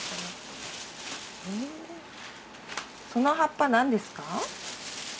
その葉っぱ何ですか？